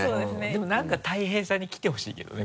でも何か大平さんに来てほしいけどね